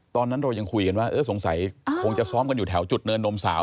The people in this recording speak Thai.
ตอนนั้นเรายังคุยกันว่าเออสงสัยคงจะซ้อมกันอยู่แถวจุดเนินนมสาว